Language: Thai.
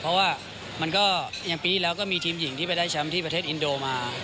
เพราะว่ามันก็ยังปีที่แล้วก็มีทีมหญิงที่ไปได้แชมป์ที่ประเทศอินโดมา